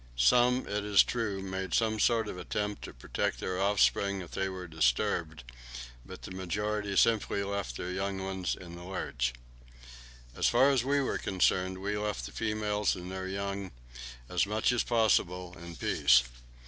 Some, it is true, made a sort of attempt to protect their offspring if they were disturbed, but the majority simply left their young ones in the lurch. As far as we were concerned, we left the females and their young as much as possible in peace.